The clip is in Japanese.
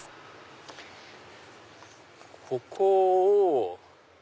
ここを。